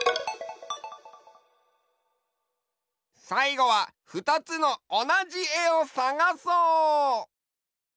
さいごはふたつのおなじえをさがそう！